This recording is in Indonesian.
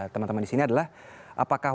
teman teman di sini adalah apakah